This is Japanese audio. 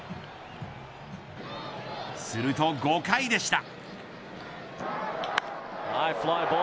すると５回でした。